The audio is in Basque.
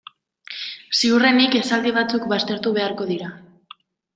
Ziurrenik esaldi batzuk baztertu beharko dira.